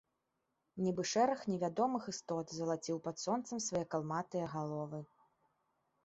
Нібы шэраг невядомых істот залаціў пад сонцам свае калматыя галовы.